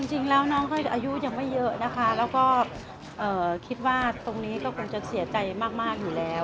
จริงแล้วน้องก็อายุยังไม่เยอะนะคะแล้วก็คิดว่าตรงนี้ก็คงจะเสียใจมากอยู่แล้ว